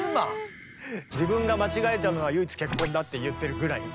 自分が間違えたのは唯一結婚だって言ってるぐらい。